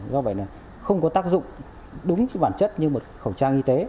do vậy là không có tác dụng đúng bản chất như một khẩu trang y tế